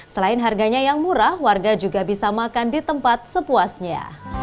selain harganya yang murah warga juga bisa makan di tempat sepuasnya